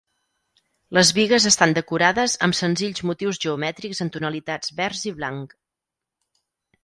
Les bigues estan decorades amb senzills motius geomètrics en tonalitats vers i blanc.